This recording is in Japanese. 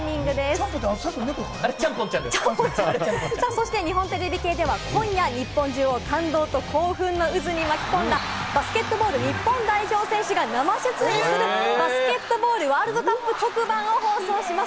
そして日本テレビ系では今夜、日本中を感動と興奮の渦に巻き込んだ、バスケットボール日本代表選手が生出演する、バスケットボールワールドカップ特番を放送します。